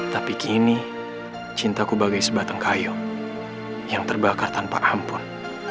tapi kini cintaku bagai sebatang kayu yang terbakar tanpa ampun